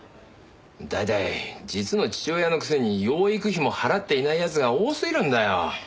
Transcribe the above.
大体実の父親のくせに養育費も払っていない奴が多すぎるんだよ！